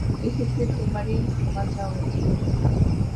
এ ক্ষেত্রে তোমারই ক্ষমা চাওয়া উচিত।